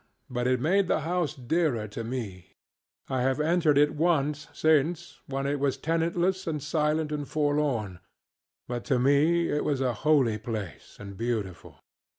But it made the house dearer to me. I have entered it once since, when it was tenantless and silent and forlorn, but to me it was a holy place and beautiful.